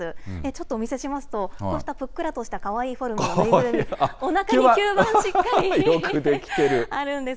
ちょっとお見せしますと、こうしたぷっくらとした、かわいいフォルムの縫いぐるみ、おなかに吸盤よく出来てる。